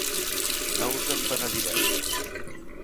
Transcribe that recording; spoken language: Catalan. No us en penedireu.